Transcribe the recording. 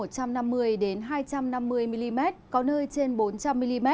thừa thiên huế có nơi trên hai trăm năm mươi mm có nơi trên bốn trăm linh mm